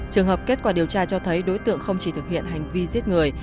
trường hợp kết quả điều tra cho thấy đối tượng không chỉ thực hiện hành vi giết người